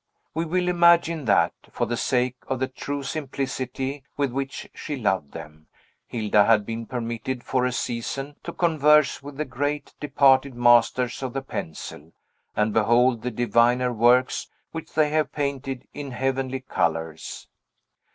We will imagine that, for the sake of the true simplicity with which she loved them, Hilda had been permitted, for a season, to converse with the great, departed masters of the pencil, and behold the diviner works which they have painted in heavenly colors.